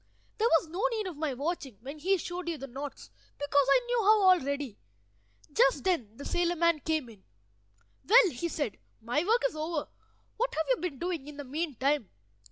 There was no need of my watching when he showed you the knots, because I knew how already." Just then the sailor man came in. "Well," he said, "my work is over. What have you been doing in the meantime?"